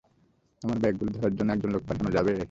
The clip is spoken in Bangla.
আমার ব্যাগগুলো ধরার জন্য একজন লোক পাঠানো যাবে?